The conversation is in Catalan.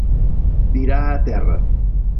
Tirar a terra.